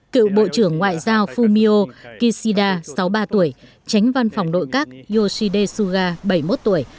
cựu bộ trưởng ngoại giao fumio kishida sáu mươi ba tuổi tránh văn phòng nội các yoshide suga bảy mươi một tuổi